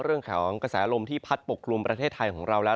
เรื่องของกระแสลมที่พัดปกคลุมประเทศไทยของเราแล้ว